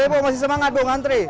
ibu masih semangat dong antri